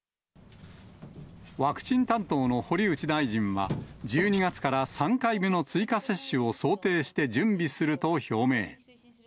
ワクチン担当の堀内大臣は、１２月から３回目の追加接種を想定して準備すると表明。